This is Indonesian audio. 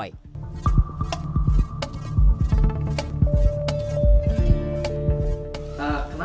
tapi tidak ada yang bisa diberikan